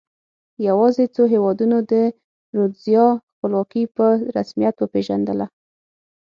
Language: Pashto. یوازې څو هېوادونو د رودزیا خپلواکي په رسمیت وپېژندله.